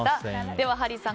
ではハリーさん